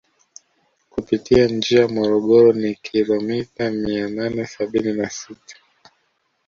Kupitia njia Morogoro ni kilimita Mia nane Sabini na Sita